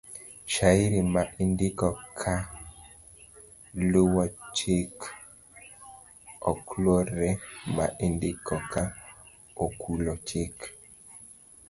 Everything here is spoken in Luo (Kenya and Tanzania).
Shairi ma indiko ka luwo chik ok lorne ma indiko ka okolu chik.